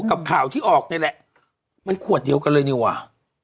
กับข่าวที่ออกนี่แหละมันขวดเดียวกันเลยนี่ว่ะ